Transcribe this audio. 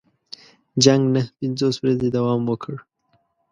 جنګ نهه پنځوس ورځې دوام وکړ.